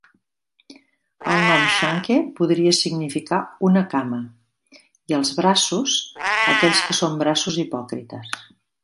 El nom Skanke podria significar "una cama", i els braços, aquells que són braços hipòcrites.